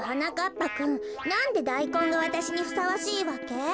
ぱくんなんでダイコンがわたしにふさわしいわけ？